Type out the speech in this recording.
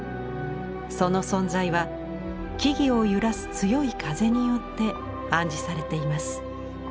その存在は木々を揺らす強い風によって暗示されています。